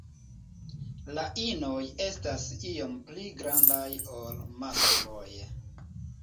La inoj estas iom pli grandaj ol maskloj.